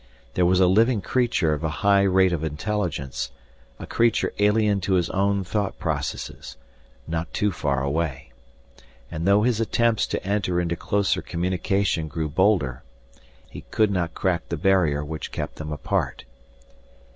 There was a living creature of a high rate of intelligence, a creature alien to his own thought processes, not too far away. And though his attempts to enter into closer communication grew bolder, he could not crack the barrier which kept them apart.